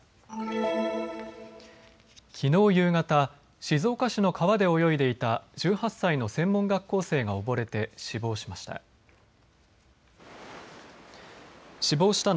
きのう夕方、静岡市の川で泳いでいた１８歳の専門学校生が溺れて死亡しました。